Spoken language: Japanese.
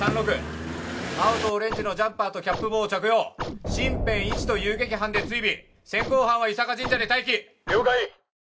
青とオレンジのジャンパーとキャップ帽を着用シンペン１と遊撃班で追尾先行班は伊坂神社で待機了解